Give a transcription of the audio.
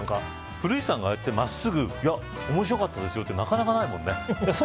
古市さんがまっすぐ面白かったですよってなかなかないですもんね。